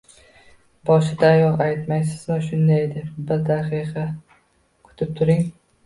Boshidayoq aytmaysizmi shunday deb. Bir daqiqa kutib turing.